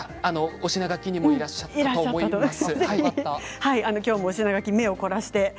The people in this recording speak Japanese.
推し名書きにもいらっしゃったと思います。